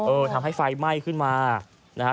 ทำให้ไฟไหม้ขึ้นมานะฮะ